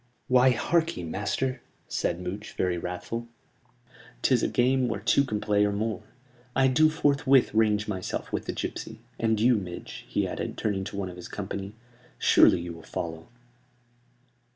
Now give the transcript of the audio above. "Why, harkee, master," said Much, very wrathful. "This is a game where two can play or more. I do forthwith range myself with the gipsy; and you, Midge," he added, turning to one of his company, "surely you will follow?"